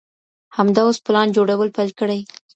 همدا اوس پلان جوړول پيل کړئ.